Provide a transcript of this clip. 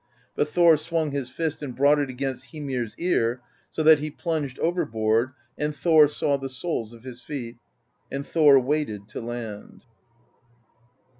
But Thor swung his fist and brought it against Hymir's ear, so that he plunged overboard, and Thor saw the soles of his feet. And Thor waded to land."